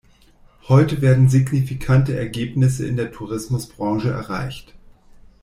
Heute werden signifikante Ergebnisse in der Tourismusbranche erreicht.